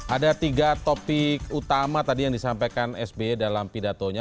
ada tiga topik utama tadi yang disampaikan sby dalam pidatonya